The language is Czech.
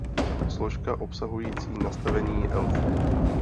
Složka obsahující nastavení elfů.